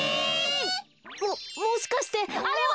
ももしかしてあれは！